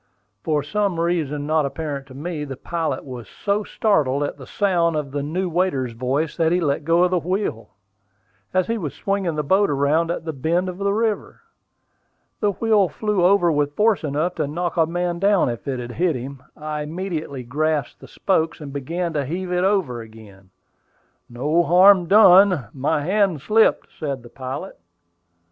For some reason not apparent to me, the pilot was so startled at the sound of the new waiter's voice that he let go the wheel, as he was swinging the boat around at a bend of the river. The wheel flew over with force enough to knock a man down if it had hit him. I immediately grasped the spokes, and began to heave it over again. "No harm done; my hand slipped," said the pilot.